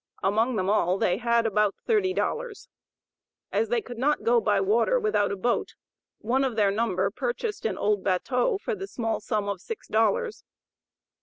Among them all they had about thirty dollars. As they could not go by water without a boat, one of their number purchased an old batteau for the small sum of six dollars.